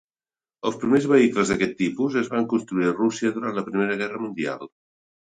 Els primers vehicles d'aquest tipus es van construir a Rússia durant la Primera Guerra Mundial.